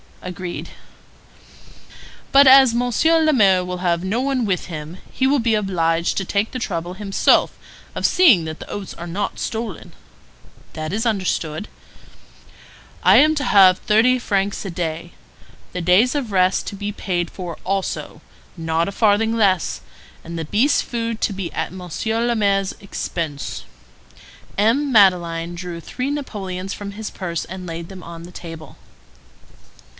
"Agreed." "But as Monsieur le Maire will have no one with him, he will be obliged to take the trouble himself of seeing that the oats are not stolen." "That is understood." "I am to have thirty francs a day. The days of rest to be paid for also—not a farthing less; and the beast's food to be at Monsieur le Maire's expense." M. Madeleine drew three napoleons from his purse and laid them on the table.